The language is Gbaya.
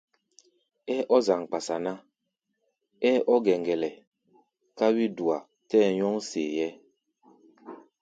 Ɛ́ɛ́ ɔ́ zaŋ-kpasa ná, ɛ́ɛ́ ɔ́ gɛŋgɛlɛ ká wí-dua tɛ́ɛ nyɔ́ŋ see-ɛ́ɛ́.